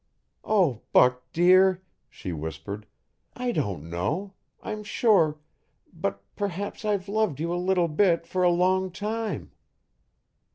"Oh, Buck, dear," she whispered, "I don't know, I'm sure, but perhaps I've loved you a little bit for a long time."